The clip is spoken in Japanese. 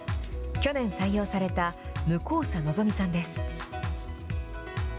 去年採用された向佐望さんです。